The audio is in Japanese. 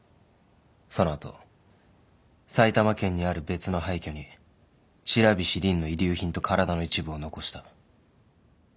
その後埼玉県にある別の廃虚に白菱凜の遺留品と体の一部を残した。